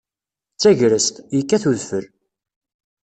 D tagrest, yekkat udfel.